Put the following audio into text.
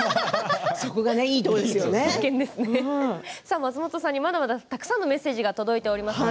松本さんにまだまだたくさんメッセージが届いています。